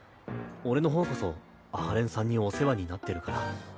俺の方こそ阿波連さんにお世話になってるから。